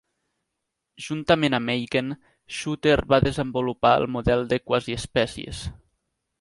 Juntament amb Eigen, Schuster va desenvolupar el model de quasiespècies.